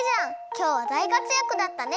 きょうはだいかつやくだったね！